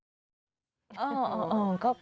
คิดว่าเราตลอดเวลา